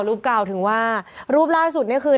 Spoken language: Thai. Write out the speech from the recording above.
รูปเก่าถึงว่ารูปล่าสุดนี่คือ